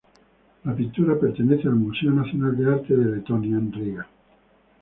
La pintura pertenece al Museo Nacional de Arte de Letonia en Riga.